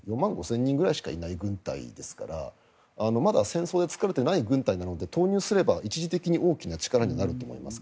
４万５０００人ぐらいしかいない軍隊ですからまだ戦争で疲れていない軍隊なので投入すれば一時的に大きな力になると思います。